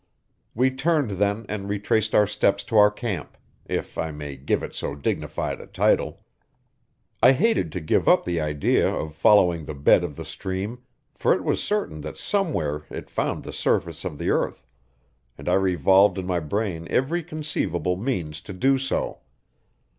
We turned then and retraced our steps to our camp, if I may give it so dignified a title. I hated to give up the idea of following the bed of the stream, for it was certain that somewhere it found the surface of the earth, and I revolved in my brain every conceivable means to do so.